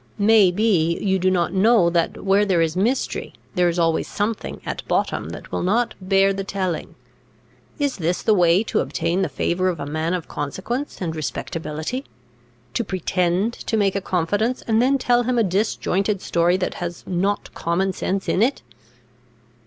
May be, you do not know that where there is mystery, there is always something at bottom that will not bear the telling. Is this the way to obtain the favour of a man of consequence and respectability? To pretend to make a confidence, and then tell him a disjointed story that has not common sense in it!"